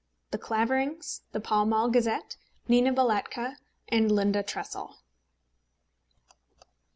THE CLAVERINGS THE PALL MALL GAZETTE NINA BALATKA AND LINDA TRESSEL.